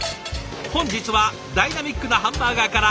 本日はダイナミックなハンバーガーから。